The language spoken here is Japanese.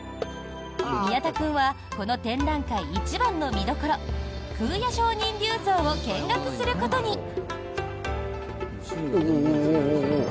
宮田君はこの展覧会一番の見どころ「空也上人立像」を見学することに。